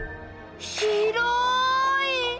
広い！